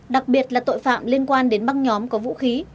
đặc biệt là tội phạm liên quan đến băng nhóm có vũ khí